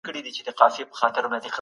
ملتونه ولي په ګډه اقتصادي همکاري کوي؟